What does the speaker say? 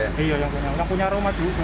iya yang punya yang punya rumah juga